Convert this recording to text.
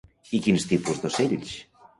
I quin tipus d'ocells?